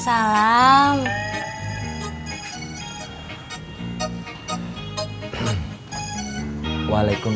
yang di izinkan